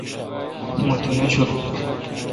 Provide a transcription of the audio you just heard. مہ تو نہ چورو۔